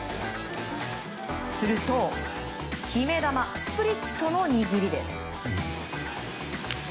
すると、決め球スプリットの握りです。